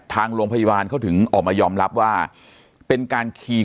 ทางโรงพยาบาลเขาถึงออกมายอมรับว่าเป็นการขี่